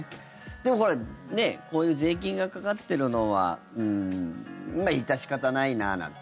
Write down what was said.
でも、こういう税金がかかっているのは致し方ないななんて。